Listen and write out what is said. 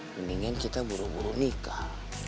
mendingan kita buru buru nikah